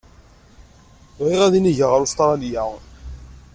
Bɣiɣ ad inigeɣ ɣer Ustṛalya.